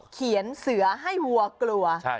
เขียนเสือให้หัวกลัว